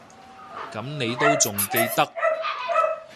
噉你都仲記得